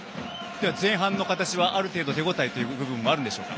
前半の形はある程度、手応えという部分はあるんでしょか。